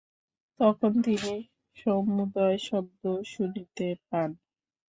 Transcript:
তখন তিনি সমুদয় শব্দ শুনিতে পান।